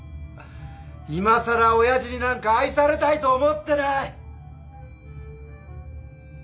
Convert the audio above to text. いまさら親父になんか愛されたいと思ってない！